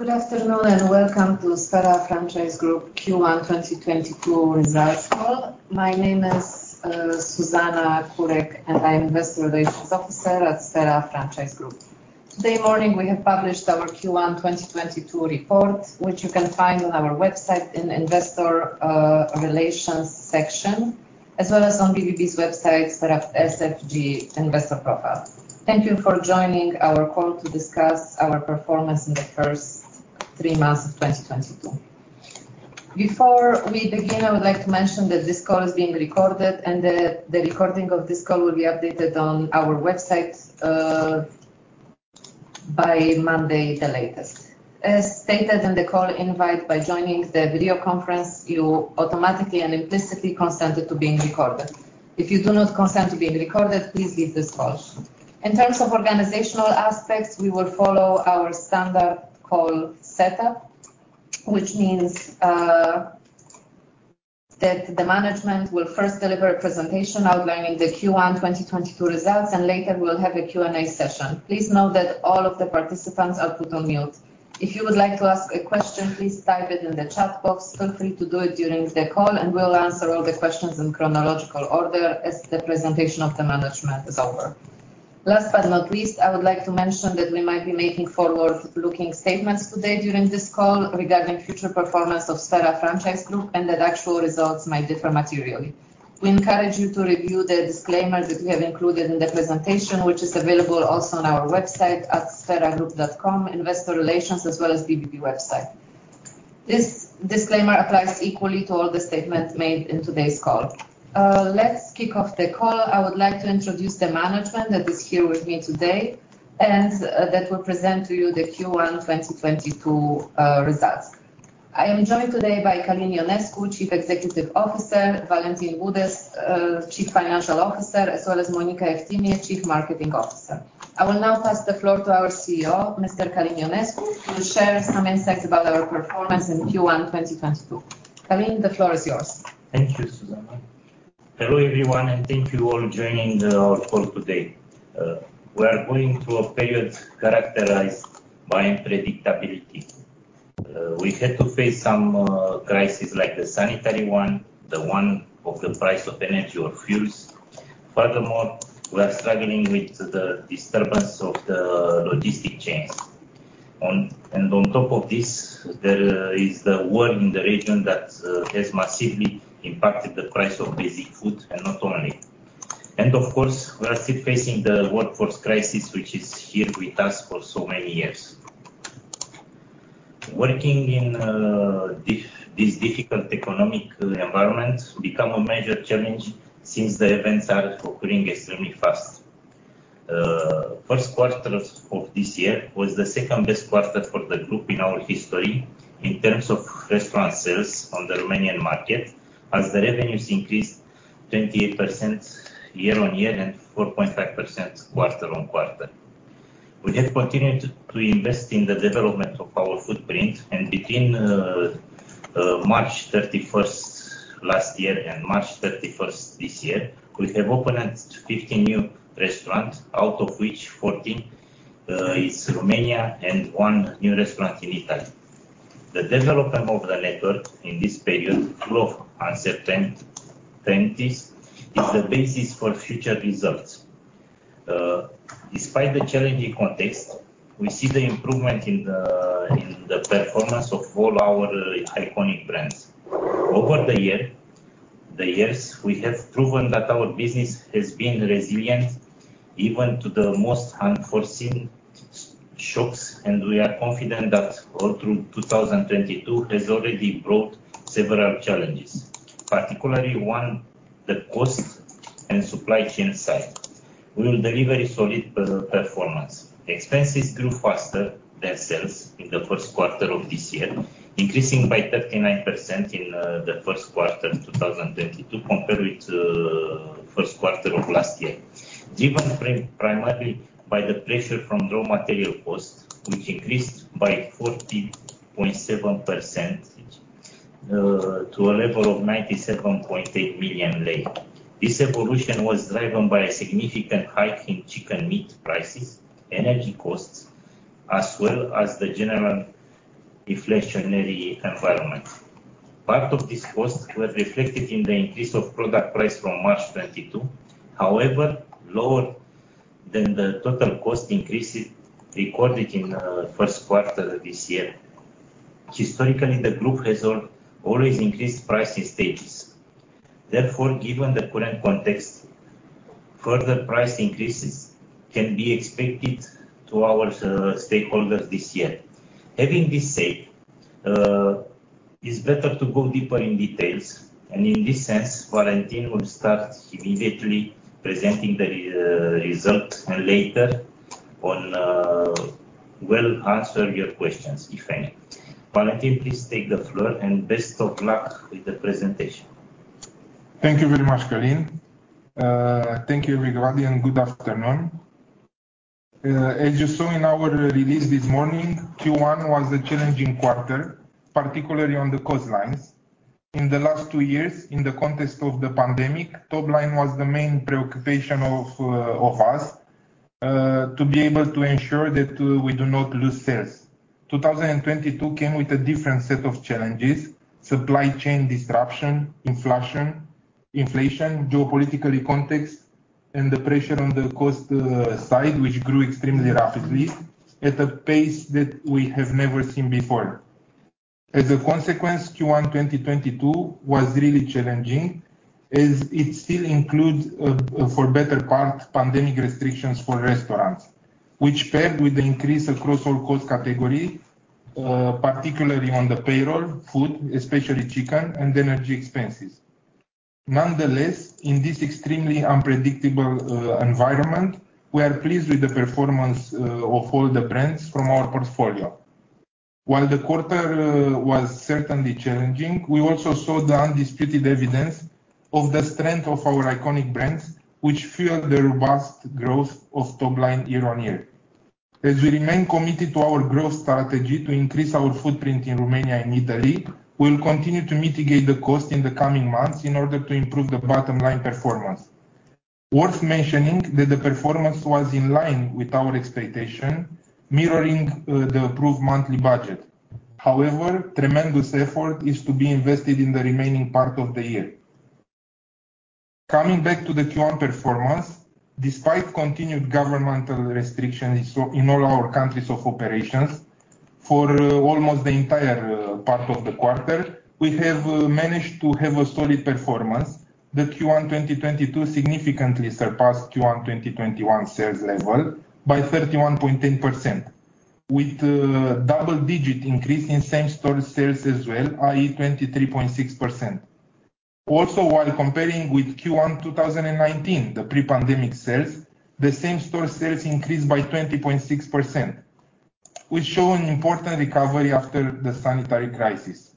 Good afternoon, and welcome to Sphera Franchise Group Q1 2022 results call. My name is Zuzanna Kurek, and I'm Investor Relations Officer at Sphera Franchise Group. This morning, we have published our Q1 2022 report, which you can find on our website in Investor Relations section, as well as on BVB's website, Sphera SFG investor profile. Thank you for joining our call to discuss our performance in the first three months of 2022. Before we begin, I would like to mention that this call is being recorded and that the recording of this call will be updated on our website by Monday the latest. As stated in the call invite, by joining the video conference, you automatically and implicitly consent to being recorded. If you do not consent to being recorded, please leave this call. In terms of organizational aspects, we will follow our standard call setup, which means that the management will first deliver a presentation outlining the Q1 2022 results, and later we'll have a Q&A session. Please note that all of the participants are put on mute. If you would like to ask a question, please type it in the chat box. Feel free to do it during the call, and we'll answer all the questions in chronological order as the presentation of the management is over. Last but not least, I would like to mention that we might be making forward-looking statements today during this call regarding future performance of Sphera Franchise Group and that actual results may differ materially. We encourage you to review the disclaimer that we have included in the presentation, which is available also on our website at spheragroup.com Investor Relations, as well as BVB website. This disclaimer applies equally to all the statements made in today's call. Let's kick off the call. I would like to introduce the management that is here with me today and that will present to you the Q1 2022 results. I am joined today by Călin Ionescu, Chief Executive Officer, Valentin Budeș, Chief Financial Officer, as well as Monica Eftimie, Chief Marketing Officer. I will now pass the floor to our CEO, Mr. Călin Ionescu, who will share some insights about our performance in Q1 2022. Calin, the floor is yours. Thank you, Zuzanna. Hello, everyone, and thank you all joining the call today. We are going through a period characterized by unpredictability. We had to face some crisis like the sanitary one, the one of the price of energy or fuels. Furthermore, we are struggling with the disturbance of the logistic chains. On top of this, there is the war in the region that has massively impacted the price of basic food, and not only. Of course, we are still facing the workforce crisis, which is here with us for so many years. Working in this difficult economic environment become a major challenge since the events are occurring extremely fast. First quarter of this year was the second-best quarter for the group in our history in terms of restaurant sales on the Romanian market as the revenues increased 28% year-on-year and 4.5% quarter-on-quarter. We have continued to invest in the development of our footprint, and between March 31 last year and March 31 this year, we have opened 15 new restaurants, out of which 14 in Romania and one new restaurant in Italy. The development of the network in this period full of uncertainties is the basis for future results. Despite the challenging context, we see the improvement in the performance of all our iconic brands. Over the years, we have proven that our business has been resilient even to the most unforeseen shocks, and we are confident that all through 2022 has already brought several challenges, particularly on the costs and supply chain side. We will deliver a solid performance. Expenses grew faster than sales in the first quarter of this year, increasing by 39% in the first quarter 2022 compared with first quarter of last year, driven primarily by the pressure from raw material costs, which increased by 40.7% to a level of RON 97.8 million. This evolution was driven by a significant hike in chicken meat prices, energy costs, as well as the general inflationary environment. Part of this costs were reflected in the increase of product price from March 2022. However, lower than the total cost increases recorded in first quarter this year. Historically, the group has always increased price in stages. Therefore, given the current context, further price increases can be expected to our stakeholders this year. Having this said, it's better to go deeper in details, and in this sense, Valentin will start immediately presenting the results and later on, we'll answer your questions, if any. Valentin, please take the floor, and best of luck with the presentation. Thank you very much, Călin. Thank you, everybody, and good afternoon. As you saw in our release this morning, Q1 was a challenging quarter, particularly on the cost lines. In the last two years, in the context of the pandemic, top line was the main preoccupation of us to be able to ensure that we do not lose sales. 2022 came with a different set of challenges, supply chain disruption, inflation, geopolitical context, and the pressure on the cost side, which grew extremely rapidly at a pace that we have never seen before. As a consequence, Q1 2022 was really challenging as it still includes, for the better part, pandemic restrictions for restaurants, which, paired with the increase across all cost category, particularly on the payroll, food, especially chicken and energy expenses. Nonetheless, in this extremely unpredictable environment, we are pleased with the performance of all the brands from our portfolio. While the quarter w as certainly challenging, we also saw the undisputed evidence of the strength of our iconic brands, which fueled the robust growth of top line year-on-year. As we remain committed to our growth strategy to increase our footprint in Romania and Italy, we'll continue to mitigate the cost in the coming months in order to improve the bottom line performance. Worth mentioning that the performance was in line with our expectation, mirroring the approved monthly budget. However, tremendous effort is to be invested in the remaining part of the year. Coming back to the Q1 performance, despite continued governmental restrictions so in all our countries of operations for almost the entire part of the quarter, we have managed to have a solid performance. The Q1 2022 significantly surpassed Q1 2021 sales level by 31.8%, with double digit increase in same-store sales as well, i.e. 23.6%. Also, while comparing with Q1 2019, the pre-pandemic sales, the same-store sales increased by 20.6%, which show an important recovery after the sanitary crisis.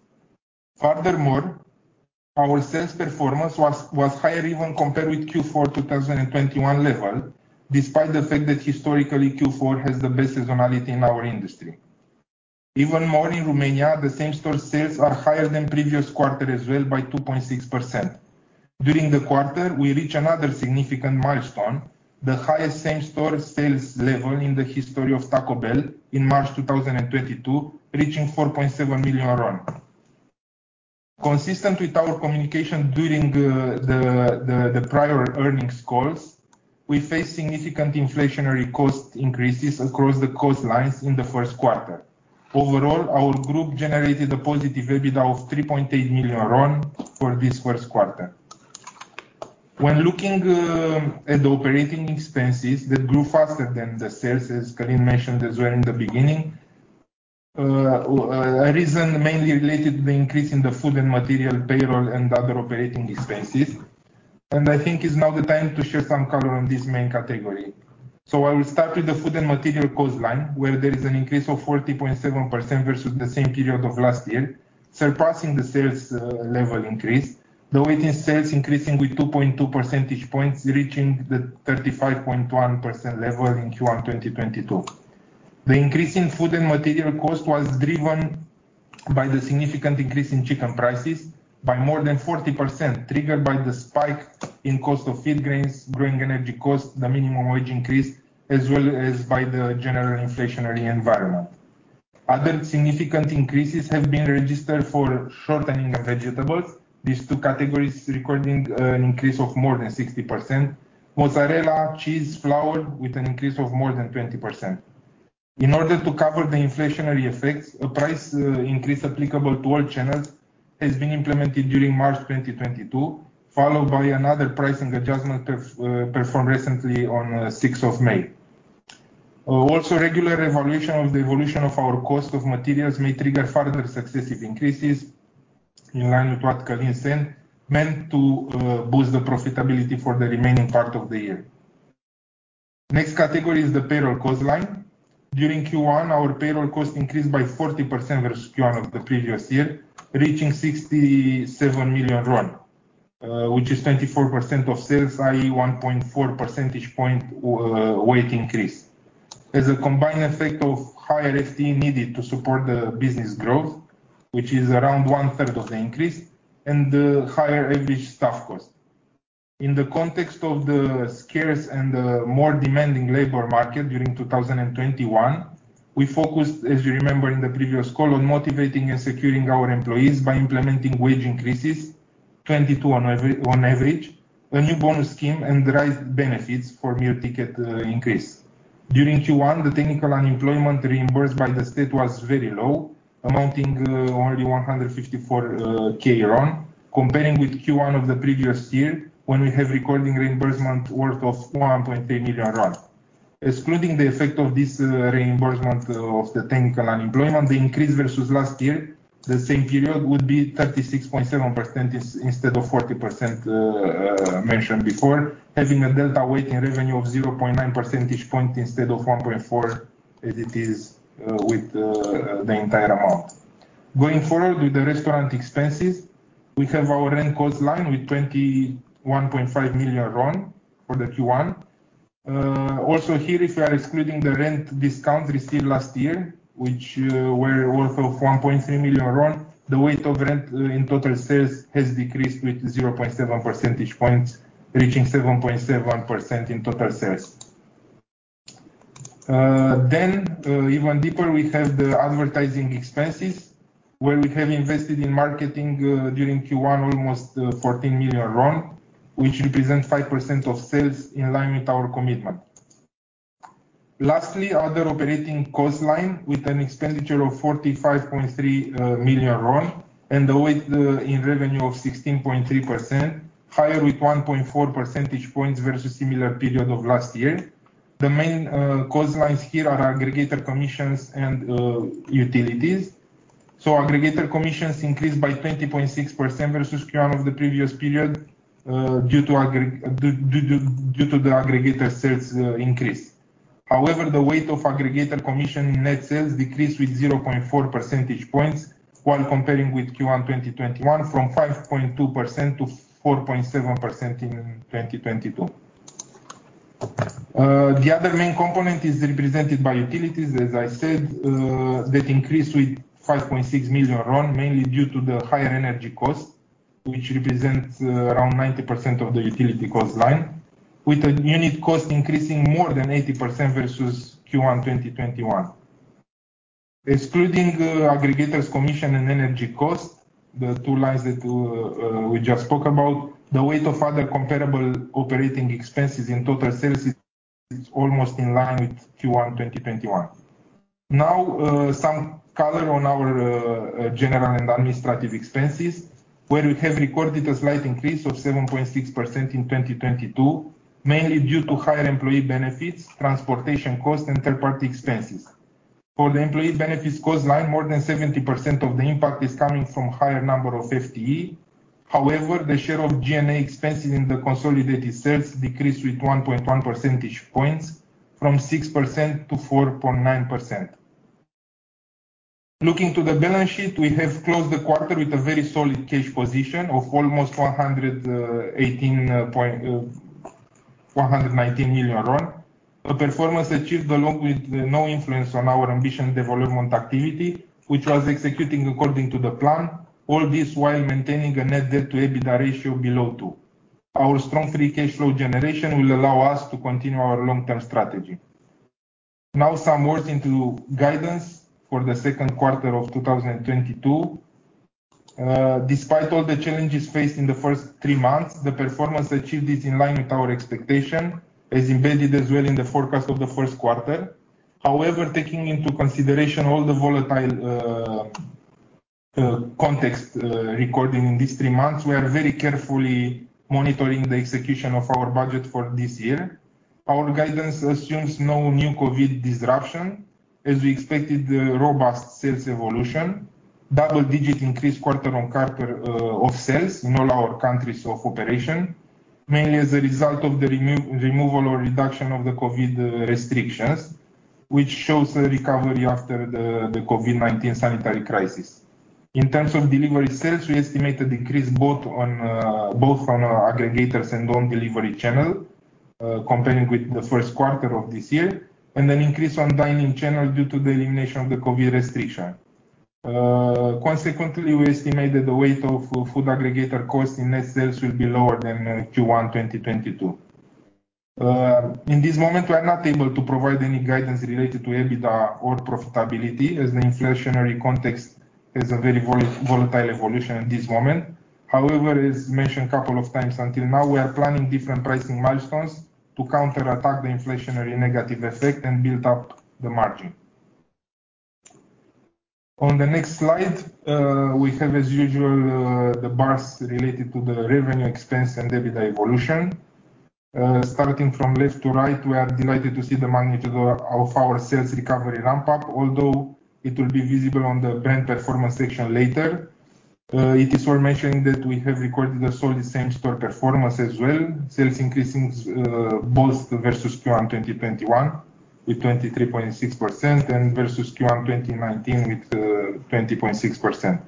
Furthermore, our sales performance was higher even compared with Q4 2021 level, despite the fact that historically Q4 has the best seasonality in our industry. Even more in Romania, the same-store sales are higher than previous quarter as well by 2.6%. During the quarter, we reach another significant milestone, the highest same-store sales level in the history of Taco Bell in March 2022, reaching RON 4.7 million. Consistent with our communication during the prior earnings calls, we face significant inflationary cost increases across the cost lines in the first quarter. Overall, our group generated a positive EBITDA of 3.8 million RON for this first quarter. When looking at the operating expenses that grew faster than the sales, as Călin mentioned as well in the beginning, a reason mainly related to the increase in the food and material payroll and other operating expenses. I think it's now the time to share some color on this main category. I will start with the food and material cost line, where there is an increase of 40.7% versus the same period of last year, surpassing the sales level increase. The weight in sales increasing with 2.2 percentage points, reaching the 35.1% level in Q1 2022. The increase in food and material cost was driven by the significant increase in chicken prices by more than 40%, triggered by the spike in cost of feed grains, growing energy costs, the minimum wage increase, as well as by the general inflationary environment. Other significant increases have been registered for shortening, vegetables. These two categories recording an increase of more than 60%. Mozzarella, cheese, flour with an increase of more than 20%. In order to cover the inflationary effects, a price increase applicable to all channels has been implemented during March 2022, followed by another pricing adjustment performed recently on May 6. Also, regular evaluation of the evolution of our cost of materials may trigger further successive increases in line with what Călin said, meant to boost the profitability for the remaining part of the year. Next category is the payroll cost line. During Q1, our payroll cost increased by 40% versus Q1 of the previous year, reaching RON 67 million, which is 24% of sales, i.e. 1.4 percentage point weight increase. As a combined effect of higher FTE needed to support the business growth, which is around one third of the increase and the higher average staff cost. In the context of the scarce and the more demanding labor market during 2021, we focused, as you remember in the previous call, on motivating and securing our employees by implementing wage increases, 22% on average, a new bonus scheme and raised benefits for meal ticket increase. During Q1, the technical unemployment reimbursed by the state was very low, amounting only RON 154,000, compared with Q1 of the previous year, when we had recorded reimbursement worth of RON 1.8 million. Excluding the effect of this reimbursement of the technical unemployment, the increase versus last year, the same period would be 36.7% instead of 40% mentioned before, having a delta weight in revenue of 0.9 percentage point instead of 1.4 as it is with the entire amount. Going forward with the restaurant expenses, we have our rent cost line with RON 21.5 million for the Q1. Also here, if you are excluding the rent discount received last year, which were worth of RON 1.3 million, the weight of rent in total sales has decreased with 0.7 percentage points, reaching 7.7% in total sales. Even deeper, we have the advertising expenses, where we have invested in marketing during Q1 almost RON 14 million, which represent 5% of sales in line with our commitment. Lastly, other operating cost line with an expenditure of RON 45.3 million and the weight in revenue of 16.3%, higher with 1.4 percentage points versus similar period of last year. The main cost lines here are aggregator commissions and utilities. Aggregator commissions increased by 20.6% versus Q1 of the previous period due to the aggregator sales increase. However, the weight of aggregator commission in net sales decreased with 0.4 percentage points while comparing with Q1 2021 from 5.2% to 4.7% in 2022. The other main component is represented by utilities, as I said, that increased with RON 5.6 million, mainly due to the higher energy cost, which represents around 90% of the utility cost line, with the unit cost increasing more than 80% versus Q1 2021. Excluding aggregator's commission and energy cost, the two lines that we just spoke about, the weight of other comparable operating expenses in total sales is almost in line with Q1 2021. Now, some color on our general and administrative expenses, where we have recorded a slight increase of 7.6% in 2022, mainly due to higher employee benefits, transportation costs, and third-party expenses. For the employee benefits cost line, more than 70% of the impact is coming from higher number of FTE. However, the share of G&A expenses in the consolidated sales decreased by 1.1 percentage points from 6% to 4.9%. Looking at the balance sheet, we have closed the quarter with a very solid cash position of almost RON 119 million. A performance achieved along with no influence on our ambitious development activity, which was executing according to the plan, all this while maintaining a net debt-to-EBITDA ratio below 2. Our strong free cash flow generation will allow us to continue our long-term strategy. Now some words on guidance for the second quarter of 2022. Despite all the challenges faced in the first three months, the performance achieved is in line with our expectation, as embedded as well in the forecast of the first quarter. However, taking into consideration all the volatile context recording in these three months, we are very carefully monitoring the execution of our budget for this year. Our guidance assumes no new COVID disruption. As we expected, the robust sales evolution, double-digit increased quarter-on-quarter of sales in all our countries of operation, mainly as a result of the removal or reduction of the COVID restrictions, which shows a recovery after the COVID-19 sanitary crisis. In terms of delivery sales, we estimate a decrease both on our aggregators and own delivery channel comparing with the first quarter of this year, and an increase on dine-in channel due to the elimination of the COVID restriction. Consequently, we estimated the weight of food aggregator cost in net sales will be lower than Q1 2022. In this moment, we are not able to provide any guidance related to EBITDA or profitability, as the inflationary context is a very volatile evolution at this moment. However, as mentioned a couple of times until now, we are planning different pricing milestones to counter-attack the inflationary negative effect and build up the margin. On the next slide, we have as usual, the bars related to the revenue expense and EBITDA evolution. Starting from left to right, we are delighted to see the magnitude of our sales recovery ramp-up. Although it will be visible on the brand performance section later. It is worth mentioning that we have recorded a solid same store performance as well, sales increasing, both versus Q1 2021 with 23.6% and versus Q1 2019 with 20.6%.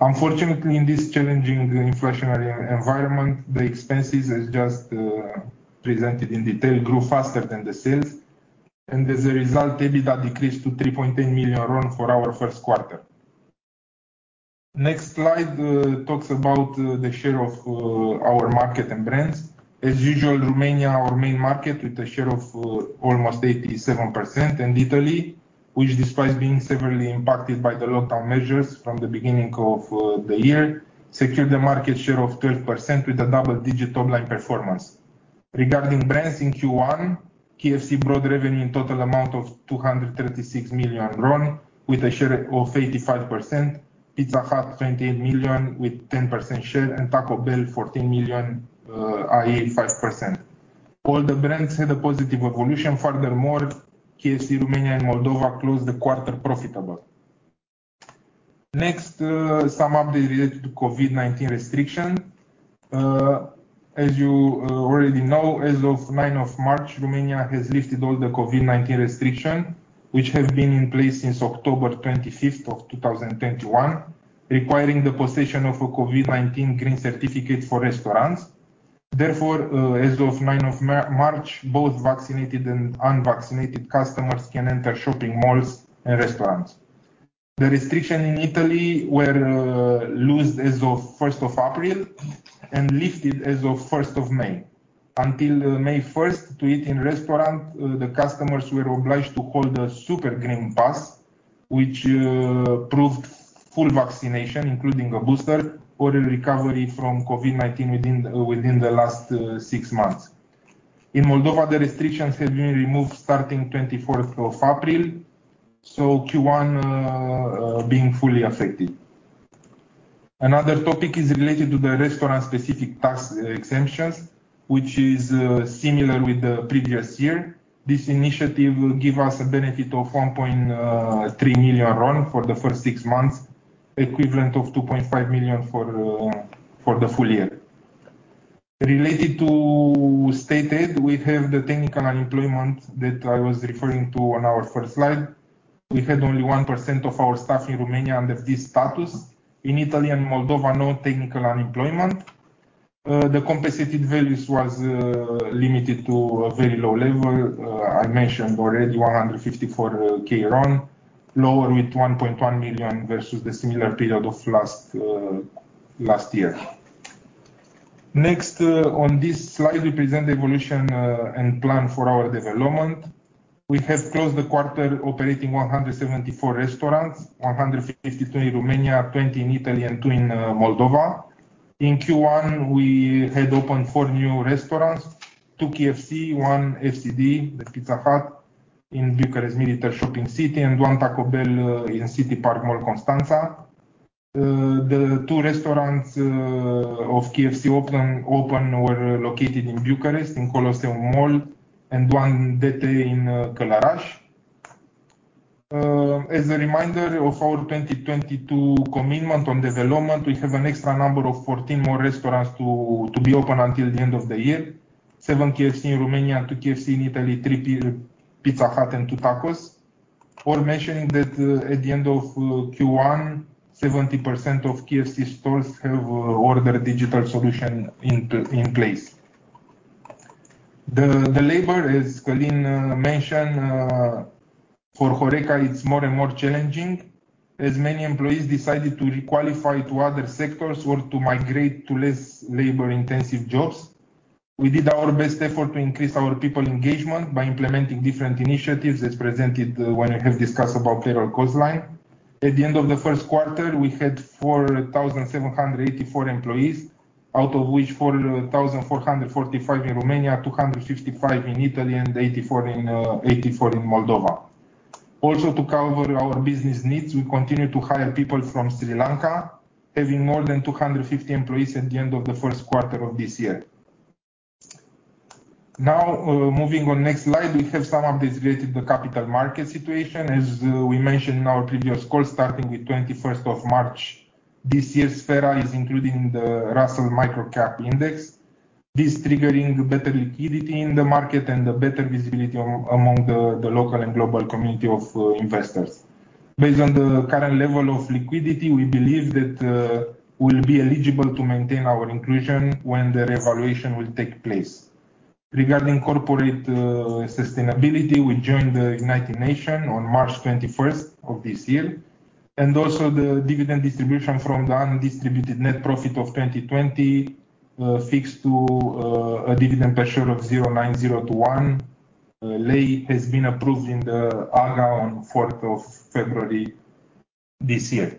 Unfortunately, in this challenging inflationary environment, the expenses as just presented in detail grew faster than the sales, and as a result, EBITDA decreased to 3.8 million RON for our first quarter. Next slide talks about the share of our market and brands. As usual, Romania, our main market with a share of almost 87%, and Italy, which despite being severely impacted by the lockdown measures from the beginning of the year, secured a market share of 12% with a double-digit top-line performance. Regarding brands in Q1, KFC brought revenue in total amount of 236 million RON with a share of 85%, Pizza Hut 28 million RON with 10% share, and Taco Bell 14 million RON, i.e. 5%. All the brands had a positive evolution. Furthermore, KFC, Romania, and Moldova closed the quarter profitable. Next, some update related to COVID-19 restrictions. As you already know, as of March 9, Romania has lifted all the COVID-19 restrictions, which have been in place since October 25, 2021, requiring the possession of a COVID-19 green certificate for restaurants. Therefore, as of March 9, both vaccinated and unvaccinated customers can enter shopping malls and restaurants. The restrictions in Italy were loosened as of April 1 and lifted as of May 1. Until May 1, to eat in restaurants, the customers were obliged to hold a Super Green Pass, which proved full vaccination, including a booster or a recovery from COVID-19 within the last six months. In Moldova, the restrictions have been removed starting April 24, so Q1 being fully affected. Another topic is related to the restaurant-specific tax exemptions, which is similar with the previous year. This initiative will give us a benefit of RON 1.3 million for the first six months, equivalent of RON 2.5 million for the full year. Related to state aid, we have the technical unemployment that I was referring to on our first slide. We had only 1% of our staff in Romania under this status. In Italy and Moldova, no technical unemployment. The compensated values was limited to a very low level. I mentioned already RON 154,000, lower with RON 1.1 million versus the similar period of last year. Next, on this slide, we present the evolution and plan for our development. We have closed the quarter operating 174 restaurants, 153 in Romania, 20 in Italy, and two in Moldova. In Q1, we had opened four new restaurants: two KFC, one FCD, the Pizza Hut in Bucharest Militari Shopping Center, and one Taco Bell in City Park Mall Constanța. The two restaurants of KFC open were located in Bucharest, in Colosseum Mall, and one DT in Călărași. As a reminder of our 2022 commitment on development, we have an extra number of 14 more restaurants to be open until the end of the year. Seven KFC in Romania, two KFC in Italy, three Pizza Hut and two Taco Bell. Worth mentioning that at the end of Q1, 70% of KFC stores have adopted digital solution in place. The labor, as Călin mentioned, for HORECA, it's more and more challenging, as many employees decided to requalify to other sectors or to migrate to less labor-intensive jobs. We did our best effort to increase our people engagement by implementing different initiatives, as presented when we have discussed about payroll cost line. At the end of the first quarter, we had 4,784 employees, out of which 4,445 in Romania, 255 in Italy, and 84 in Moldova. Also, to cover our business needs, we continue to hire people from Sri Lanka, having more than 255 employees at the end of the first quarter of this year. Now, moving on next slide, we have some updates related to capital market situation. As we mentioned in our previous call, starting with 21st of March this year, Sphera is included in the FTSE Global Micro Cap. This triggers better liquidity in the market and a better visibility among the local and global community of investors. Based on the current level of liquidity, we believe that we'll be eligible to maintain our inclusion when the revaluation will take place. Regarding corporate sustainability, we joined the United Nations Global Compact on March 21st of this year, and also the dividend distribution from the undistributed net profit of 2020 fixed to a dividend per share of RON 0.901 has been approved in the AGA on 4th of February this year.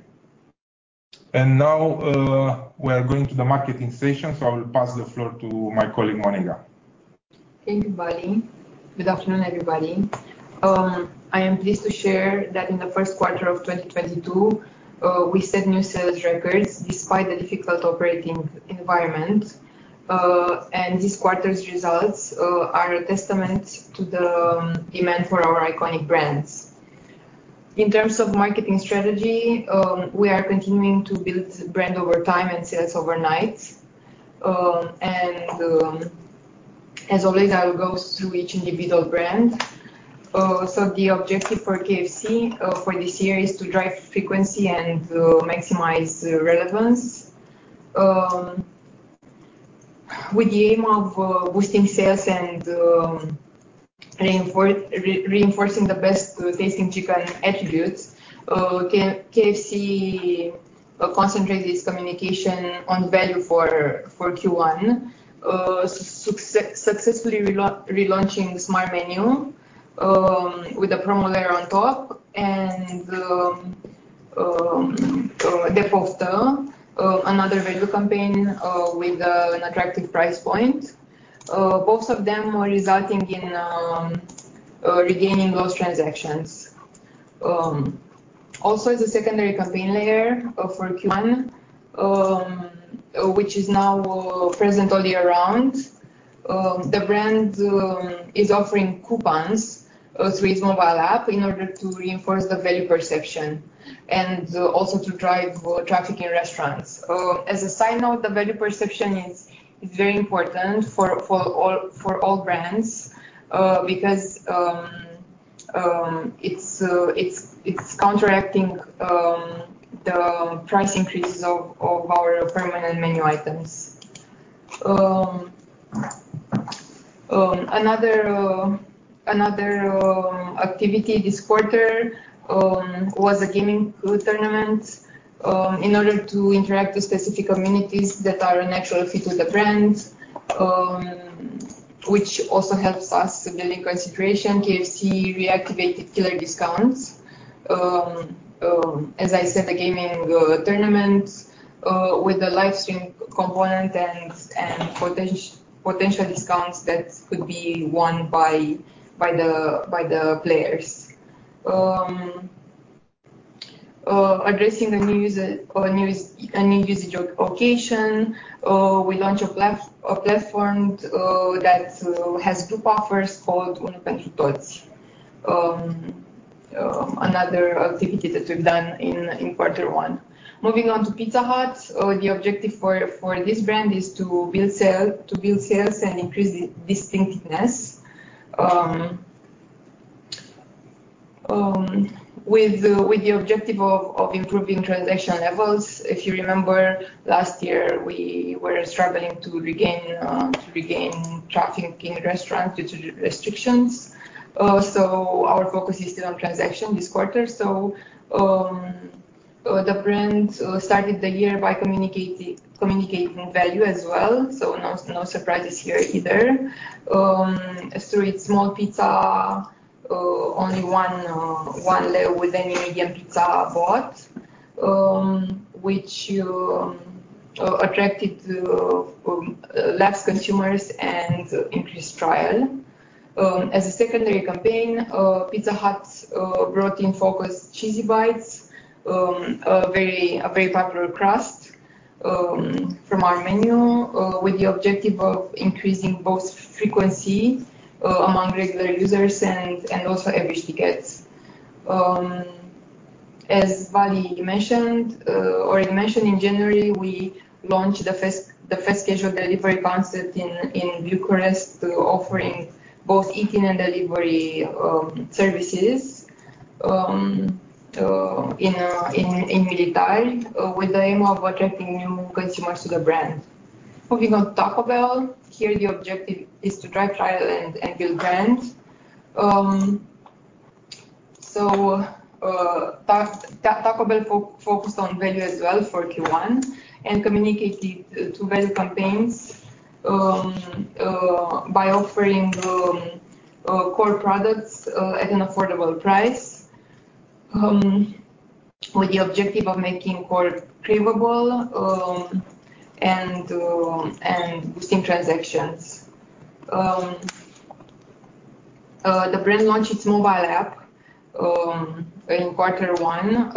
Now we're going to the marketing session, so I will pass the floor to my colleague, Monica Eftimie. Thank you, Vali. Good afternoon, everybody. I am pleased to share that in the first quarter of 2022, we set new sales records despite the difficult operating environment. This quarter's results are a testament to the demand for our iconic brands. In terms of marketing strategy, we are continuing to build brand over time and sales overnight. As always, I'll go through each individual brand. The objective for KFC for this year is to drive frequency and to maximize relevance. With the aim of boosting sales and reinforcing the best tasting chicken attributes, KFC concentrated its communication on value for Q1, successfully relaunching Smart Menu with a promo layer on top and De Poftă, another value campaign with an attractive price point. Both of them are resulting in regaining lost transactions. Also as a secondary campaign layer for Q1, which is now present all year round, the brand is offering coupons through its mobile app in order to reinforce the value perception and also to drive traffic in restaurants. As a side note, the value perception is very important for all brands because it's counteracting the price increases of our permanent menu items. Another activity this quarter was a gaming tournament in order to interact with specific communities that are a natural fit with the brand, which also helps us with the lingering situation. KFC reactivated Killer Discounts. As I said, the gaming tournament with the live stream component and potential discounts that could be won by the players. Addressing a new usage occasion, we launched a platform that has group offers called Unu Pentru Toți. Another activity that we've done in quarter one. Moving on to Pizza Hut. The objective for this brand is to build sales and increase distinctiveness with the objective of improving transaction levels. If you remember last year, we were struggling to regain traffic in restaurant due to restrictions. Our focus is still on transaction this quarter. The brand started the year by communicating value as well. No surprises here either. It's a small pizza, only 1 free with any medium pizza bought, which attracted new consumers and increased trial. As a secondary campaign, Pizza Hut brought in Cheesy Bites, a very popular crust from our menu, with the objective of increasing both frequency among regular users and also average tickets. As Vali mentioned in January, we launched the Fast Casual Delivery concept in Bucharest, offering both eat-in and delivery services in Militari, with the aim of attracting new consumers to the brand. Moving on to Taco Bell. Here, the objective is to drive trial and build brand. Taco Bell focused on value as well for Q1 and communicated two value campaigns by offering core products at an affordable price with the objective of making core craveable and boosting transactions. The brand launched its mobile app in quarter one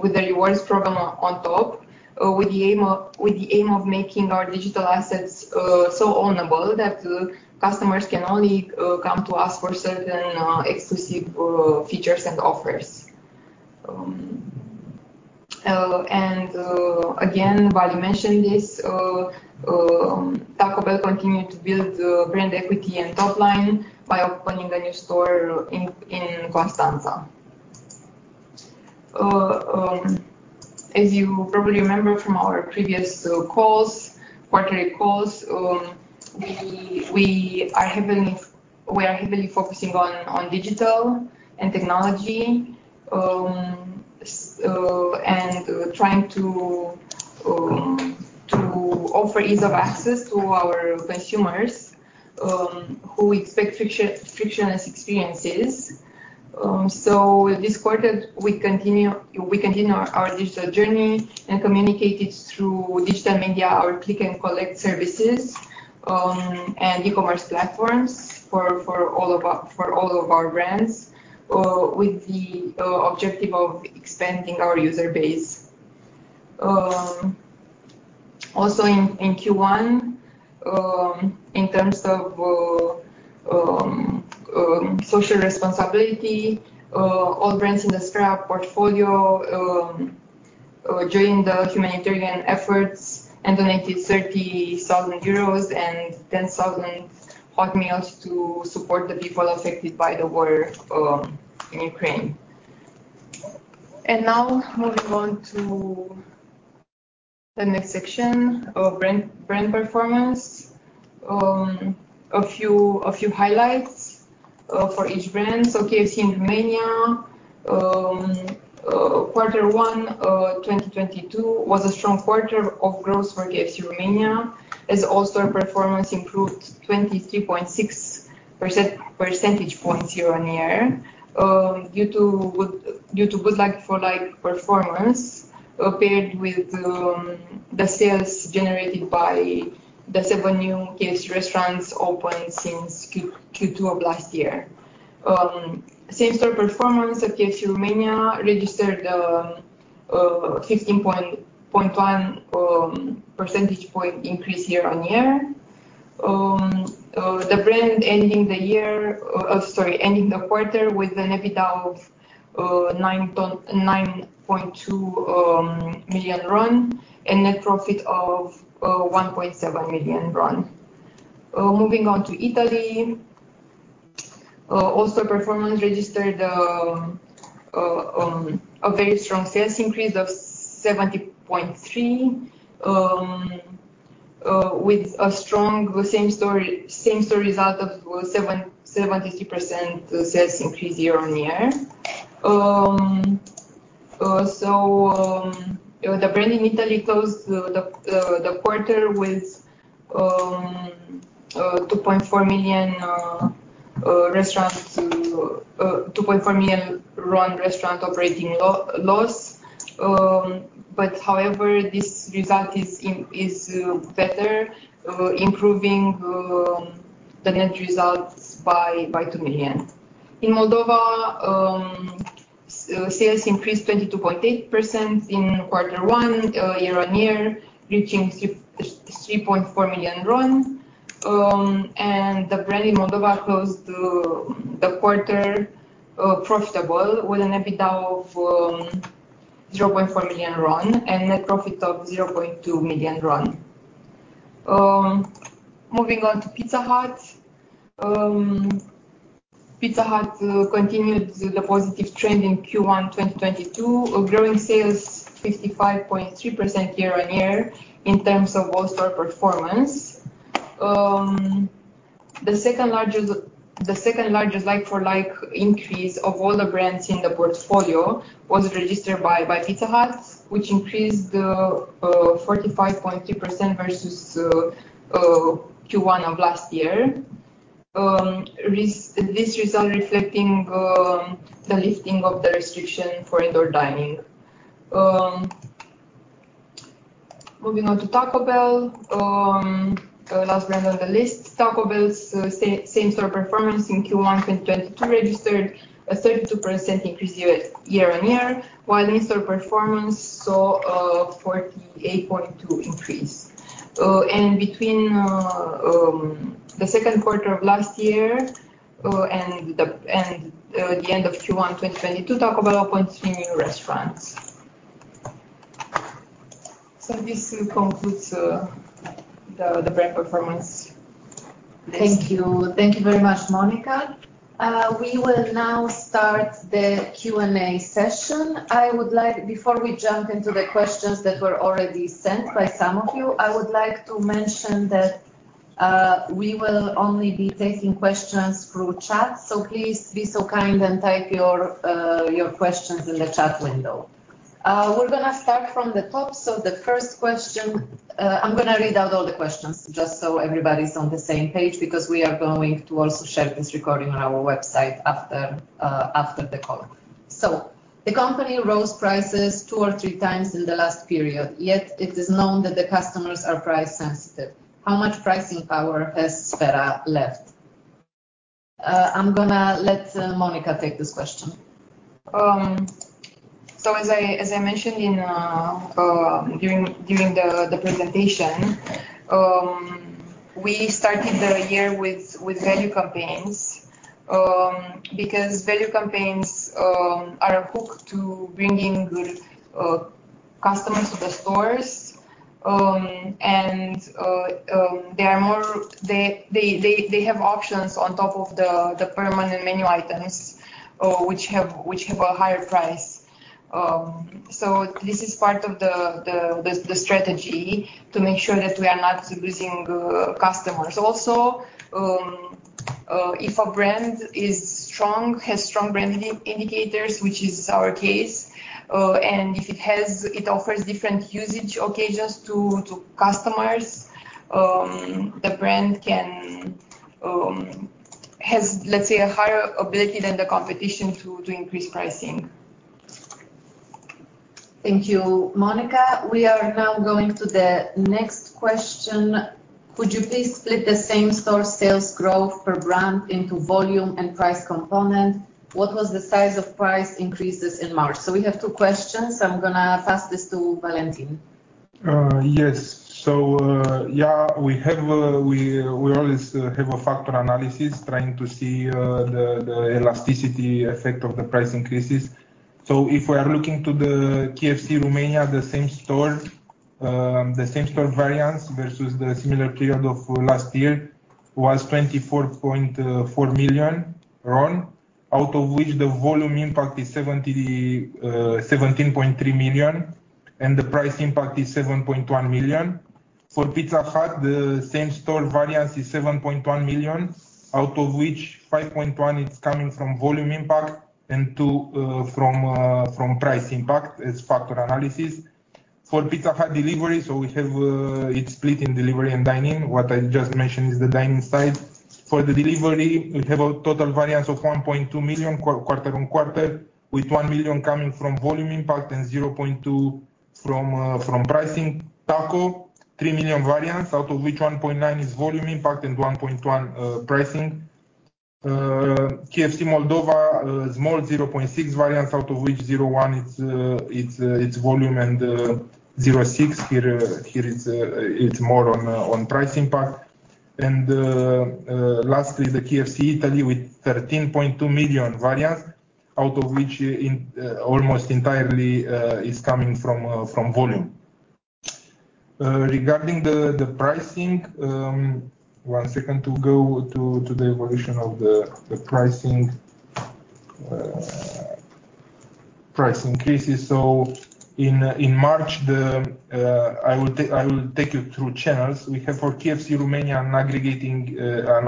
with a rewards program on top with the aim of making our digital assets so ownable that customers can only come to us for certain exclusive features and offers. Again, Vali mentioned this. Taco Bell continued to build brand equity and top line by opening a new store in Constanța. As you probably remember from our previous quarterly calls, we are heavily focusing on digital and technology and trying to offer ease of access to our consumers, who expect frictionless experiences. This quarter we continue our digital journey and communicated through digital media our click and collect services and e-commerce platforms for all of our brands with the objective of expanding our user base. Also in Q1, in terms of social responsibility, all brands in the Sphera portfolio joined the humanitarian efforts and donated 30 thousand euros and 10,000 hot meals to support the people affected by the war in Ukraine. Now moving on to the next section of brand performance. A few highlights for each brand. KFC in Romania, quarter one, 2022 was a strong quarter of growth for KFC Romania as all store performance improved 23.6 percentage points year-on-year, due to good like-for-like performance, paired with the sales generated by the seven new KFC restaurants opened since Q2 of last year. Same store performance at KFC Romania registered 15.1 percentage point increase year-on-year. The brand ending the quarter with an EBITDA of RON 9.2 million and net profit of RON 1.7 million. Moving on to Italy. Performance registered a very strong sales increase of 70.3% with a strong same-store result of 77.3% sales increase year-on-year. The brand in Italy closed the quarter with RON 2.4 million restaurant operating loss. However, this result is better, improving the net results by RON 2 million. In Moldova, sales increased 22.8% in quarter one year-on-year, reaching RON 3.4 million. The brand in Moldova closed the quarter profitable with an EBITDA of RON 0.4 million and net profit of RON 0.2 million. Moving on to Pizza Hut. Pizza Hut continued the positive trend in Q1 2022, growing sales 55.3% year-on-year in terms of all store performance. The second-largest like-for-like increase of all the brands in the portfolio was registered by Pizza Hut, which increased 45.2% versus Q1 of last year. This result reflecting the lifting of the restriction for indoor dining. Moving on to Taco Bell, the last brand on the list. Taco Bell's same store performance in Q1 2022 registered a 32% increase year-on-year, while in-store performance saw a 48.2% increase. Between the second quarter of last year and the end of Q1 2022, Taco Bell opened three new restaurants. This concludes the brand performance. Thank you. Thank you very much, Monica. We will now start the Q&A session. Before we jump into the questions that were already sent by some of you, I would like to mention that we will only be taking questions through chat. Please be so kind and type your questions in the chat window. We're gonna start from the top. The first question, I'm gonna read out all the questions just so everybody's on the same page, because we are going to also share this recording on our website after the call. The company rose prices two or three times in the last period, yet it is known that the customers are price sensitive. How much pricing power has Sphera left? I'm gonna let Monica take this question. As I mentioned during the presentation, we started the year with value campaigns because value campaigns are hooked to bringing good customers to the stores. They have options on top of the permanent menu items, which have a higher price. This is part of the strategy to make sure that we are not losing customers. Also, if a brand is strong, has strong brand indicators, which is our case, and it offers different usage occasions to customers, the brand can has, let's say, a higher ability than the competition to increase pricing. Thank you, Monica. We are now going to the next question. Could you please split the same-store sales growth per brand into volume and price component? What was the size of price increases in March? We have two questions. I'm gonna pass this to Valentin. We always have a factor analysis trying to see the elasticity effect of the price increases. If we are looking at the KFC Romania, the same store variance versus the similar period of last year was RON 24.4 million, out of which the volume impact is RON 17.3 million, and the price impact is RON 7.1 million. For Pizza Hut, the same store variance is RON 7.1 million, out of which RON 5.1 million is coming from volume impact and RON 2 million from price impact as factor analysis. For Pizza Hut delivery, we have it split in delivery and dine-in. What I just mentioned is the dine-in side. For the delivery, we have a total variance of RON 1.2 million quarter-over-quarter, with RON 1 million coming from volume impact and 0.2 from pricing. Taco Bell, RON 3 million variance, out of which 1.9 is volume impact and 1.1 pricing. KFC Moldova, small 0.6 variance, out of which 0.1 it's volume and 0.6 here it's more on price impact. Lastly, the KFC Italy with RON 13.2 million variance. Out of which, almost entirely is coming from volume. Regarding the pricing, one second to go to the evolution of the pricing price increases. In March, I will take you through channels. We have for KFC Romania an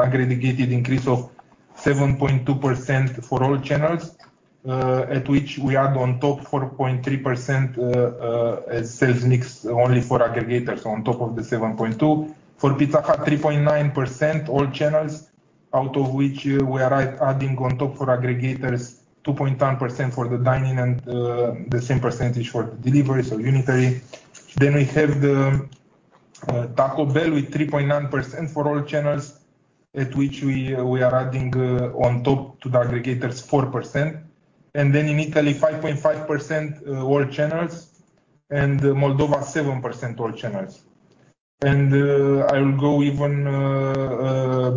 aggregated increase of 7.2% for all channels, at which we add on top 4.3% as sales mix only for aggregators on top of the 7.2. For Pizza Hut, 3.9% all channels, out of which we are adding on top for aggregators 2.1% for the dine-in and the same percentage for delivery, so unitary. We have the Taco Bell with 3.9% for all channels, at which we are adding on top to the aggregators 4%. In Italy, 5.5% all channels, and Moldova, 7% all channels. I will go even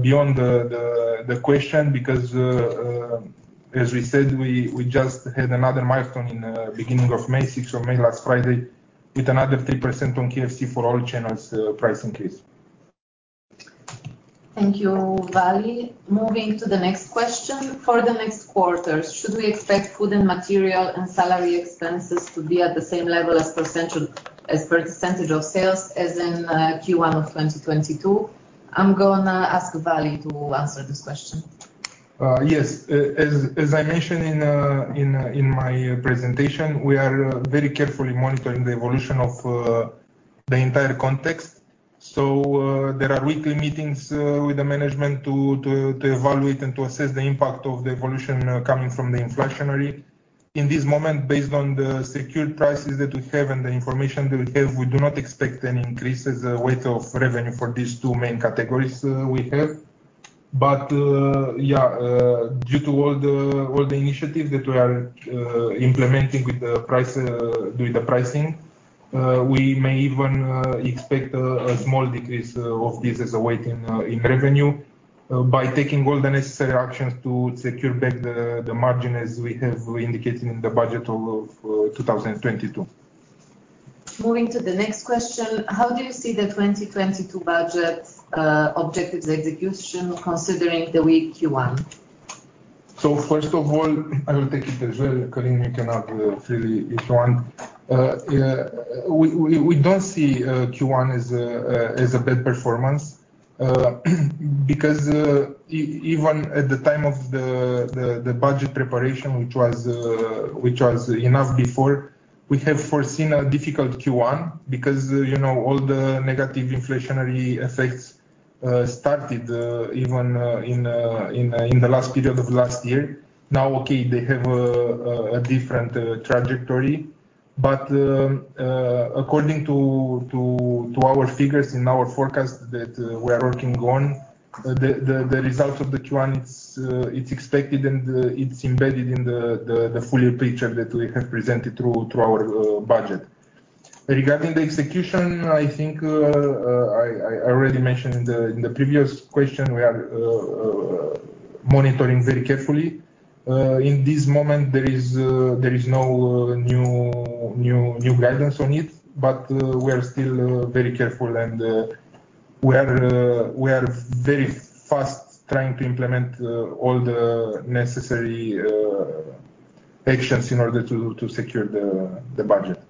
beyond the question because, as we said, we just had another milestone in beginning of May, sixth of May, last Friday, with another 3% on KFC for all channels, price increase. Thank you, Vali. Moving to the next question. For the next quarters, should we expect food and material and salary expenses to be at the same level as percentage of sales as in Q1 of 2022? I'm gonna ask Vali to answer this question. Yes. As I mentioned in my presentation, we are very carefully monitoring the evolution of the entire context. There are weekly meetings with the management to evaluate and to assess the impact of the evolution coming from the inflationary. In this moment, based on the secured prices that we have and the information that we have, we do not expect any increases weight of revenue for these two main categories we have. Due to all the initiatives that we are implementing with the pricing, we may even expect a small decrease of this as a weight in revenue by taking all the necessary actions to secure back the margin as we have indicated in the budget of 2022. Moving to the next question. How do you see the 2022 budget objectives execution considering the weak Q1? First of all, I will take it as well, Călin, you can add freely if you want. Yeah, we don't see Q1 as a bad performance, because even at the time of the budget preparation, which was well before, we have foreseen a difficult Q1 because, you know, all the negative inflationary effects started even in the last period of last year. Okay, they have a different trajectory, but according to our figures in our forecast that we are working on, the results of the Q1. It's expected and it's embedded in the full year picture that we have presented through our budget. Regarding the execution, I think, I already mentioned in the previous question, we are monitoring very carefully. In this moment, there is no new guidance on it, but we are still very careful and we are very fast trying to implement all the necessary actions in order to secure the budget.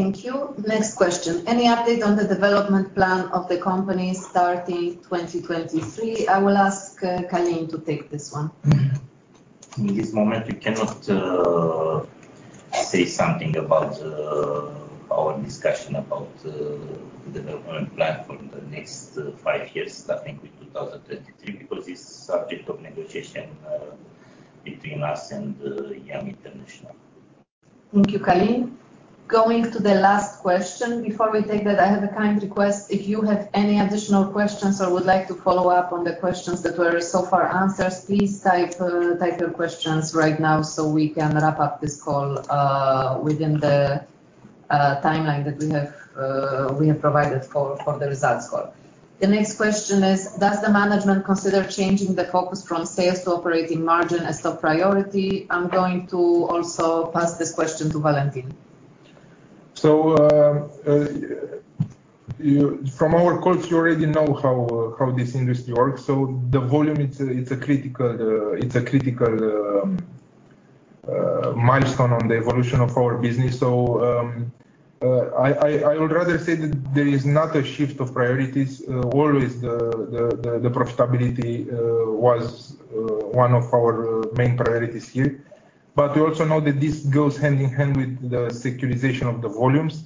Thank you. Next question. Any update on the development plan of the company starting 2023? I will ask, Călin to take this one. In this moment, we cannot say something about our discussion about development plan for the next five years, starting with 2023, because it's subject of negotiation between us and Yum! International. Thank you, Călin. Going to the last question. Before we take that, I have a kind request. If you have any additional questions or would like to follow up on the questions that were so far answered, please type your questions right now so we can wrap up this call within the timeline that we have provided for the results call. The next question is: Does the management consider changing the focus from sales to operating margin as top priority? I'm going to also pass this question to Valentin. From our calls, you already know how this industry works. The volume, it's a critical milestone on the evolution of our business. I would rather say that there is not a shift of priorities. Always the profitability was one of our main priorities here. We also know that this goes hand in hand with the securitization of the volumes.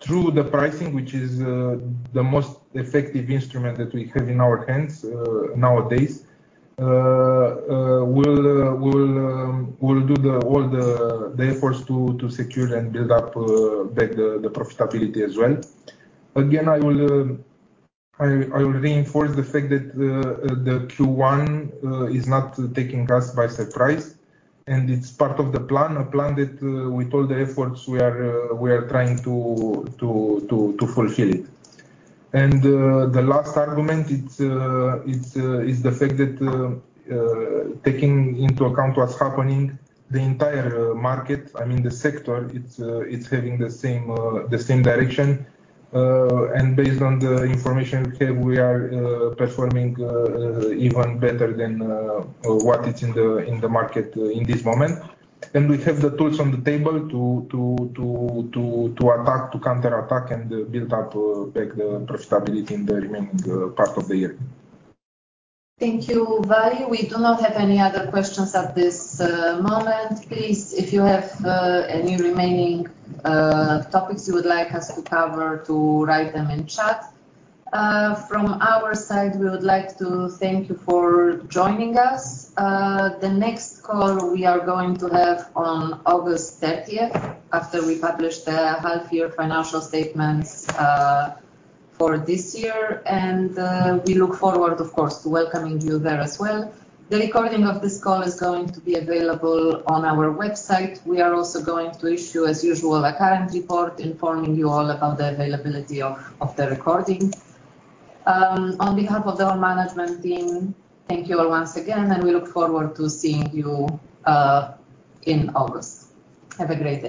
Through the pricing, which is the most effective instrument that we have in our hands nowadays, we'll do all the efforts to secure and build up back the profitability as well. Again, I will reinforce the fact that the Q1 is not taking us by surprise, and it's part of the plan. A plan that with all the efforts we are trying to fulfill it. The last argument, it's the fact that taking into account what's happening, the entire market, I mean, the sector, it's heading the same direction. Based on the information we have, we are performing even better than what is in the market in this moment. We have the tools on the table to attack, to counterattack and build up back the profitability in the remaining part of the year. Thank you, Vali. We do not have any other questions at this moment. Please, if you have any remaining topics you would like us to cover, write them in chat. From our side, we would like to thank you for joining us. The next call we are going to have on August thirtieth, after we publish the half year financial statements for this year, and we look forward, of course, to welcoming you there as well. The recording of this call is going to be available on our website. We are also going to issue, as usual, a current report informing you all about the availability of the recording. On behalf of the whole management team, thank you all once again, and we look forward to seeing you in August. Have a great day.